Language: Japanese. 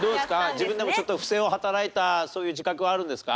自分でもちょっと不正を働いたそういう自覚はあるんですか？